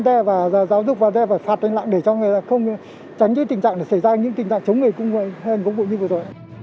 xảy ra những tình trạng chống người thi hành công vụ như vừa rồi